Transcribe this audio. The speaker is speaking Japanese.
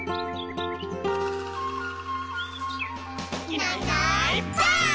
「いないいないばあっ！」